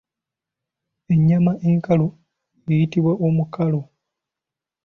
Ennyama enkalu eyitibwa omukalo